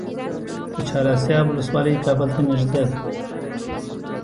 د چهار اسیاب ولسوالۍ کابل ته نږدې ده